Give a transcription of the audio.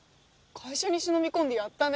会社に忍び込んでやったね。